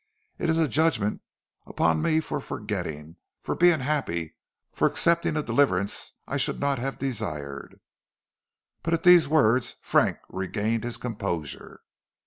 "It is a judgment upon me for forgetting; for being happy; for accepting a deliverance I should not have desired." But at these words Frank regained his composure.